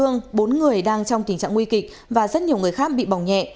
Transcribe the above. bốn người đang trong tình trạng nguy kịch và rất nhiều người khác bị bỏng nhẹ